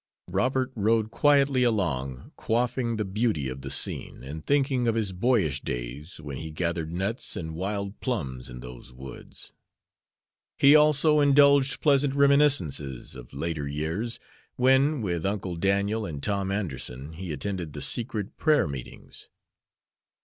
Robert rode quietly along, quaffing the beauty of the scene and thinking of his boyish days, when he gathered nuts and wild plums in those woods; he also indulged pleasant reminiscences of later years, when, with Uncle Daniel and Tom Anderson, he attended the secret prayer meetings.